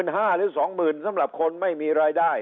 หรือ๒๐๐๐สำหรับคนไม่มีรายได้